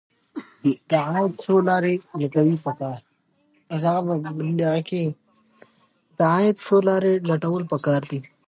د عاید څو لارې لټول پکار دي.